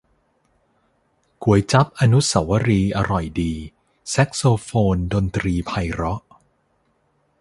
ก๋วยจั๊บอนุเสาวรีย์อร่อยดี แซกโซโฟนดนตรีไพเราะ